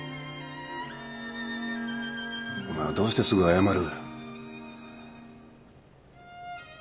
お前はどうしてすぐ謝る？